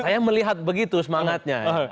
saya melihat begitu semangatnya